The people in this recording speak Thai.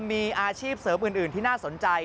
มีอาชีพเสริมอื่นที่น่าสนใจ